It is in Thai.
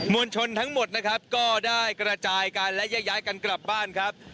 วลชนทั้งหมดนะครับก็ได้กระจายกันและแยกย้ายกันกลับบ้านครับ